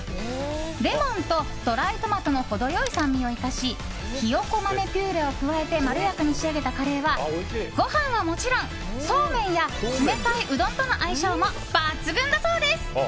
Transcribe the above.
レモンとドライトマトの程良い酸味を生かしヒヨコ豆ピューレを加えてまろやかに仕上げたカレーはご飯はもちろん、そうめんや冷たいうどんとの相性も抜群だそうです。